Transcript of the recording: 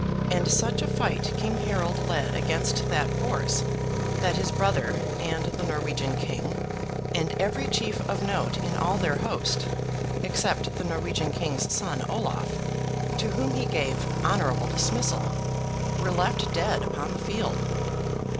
And such a fight King Harold led against that force, that his brother, and the Norwegian King, and every chief of note in all their host, except the Norwegian King's son, Olave, to whom he gave honourable dismissal, were left dead upon the field.